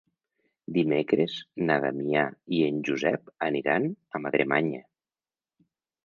Dimecres na Damià i en Josep aniran a Madremanya.